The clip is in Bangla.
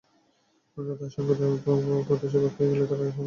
তাদের আশঙ্কা, প্রদেশে ভাগ হয়ে গেলে তারা রাজনৈতিকভাবে প্রান্তিক হয়ে পড়বে।